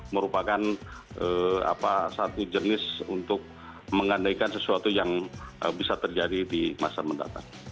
merupakan satu jenis untuk mengandaikan sesuatu yang bisa terjadi di masa mendatang